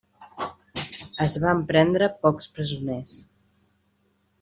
Es van prendre pocs presoners.